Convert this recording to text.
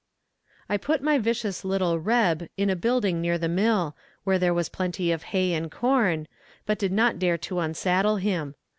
I put my vicious little "Reb" in a building near the mill, where there was plenty of hay and corn, but did not dare to unsaddle him.